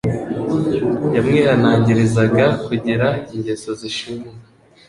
Yamwihanangiririzaga kugira ingeso zishimwa,